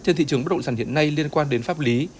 trên thị trường bất động sản hiện nay liên quan đến pháp lý